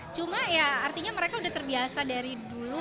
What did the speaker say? cuma ya artinya mereka udah terbiasa dari dulu